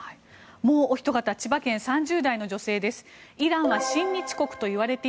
もうおひと方千葉県３０代の女性です。